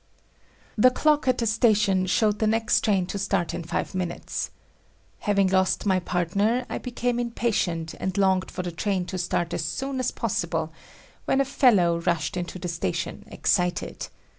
The clock at the station showed the next train to start in five minutes. Having lost my partner, I became impatient and longed for the train to start as soon as possible, when a fellow rushed into the station excited.